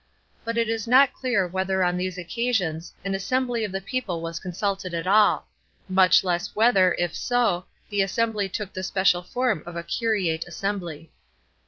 But it is not clear whether on these occasions an assembly of the people was consulted at all; much less whether, if so, the assembly took the special form of a curiate assembly.